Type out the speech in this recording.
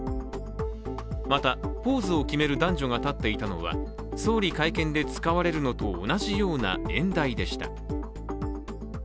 また、ポーズを決める男女が立っていたのは総理会見で使われるのと同じような演台でした。